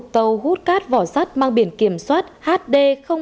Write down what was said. một tàu hút cát vỏ sắt mang biển kiểm soát hd bảy trăm bảy mươi chín